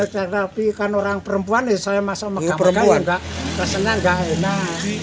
tapi kan orang perempuan saya masuk megang megang kesannya nggak enak